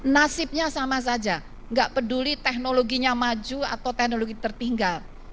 nasibnya sama saja nggak peduli teknologinya maju atau teknologi tertinggal